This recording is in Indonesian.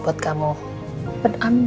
berat buat kamu